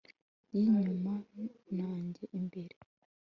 Yinyuma na njye imbere